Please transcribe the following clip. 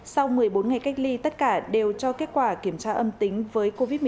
sau một mươi bốn ngày cách ly tất cả đều cho kết quả kiểm tra âm tính với covid một mươi chín